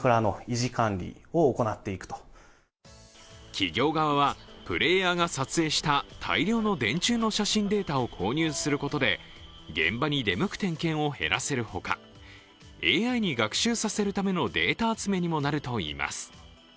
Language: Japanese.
企業側はプレーヤーが撮影した電柱の写真データを購入することで現場に出向く点検を減らせる他ＡＩに学習させるためのデータ集めにもなるといいます。